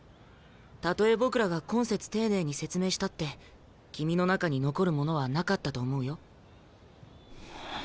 たとえ僕らが懇切丁寧に説明したって君の中に残るものはなかったと思うよ。